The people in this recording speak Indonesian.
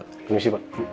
terima kasih pak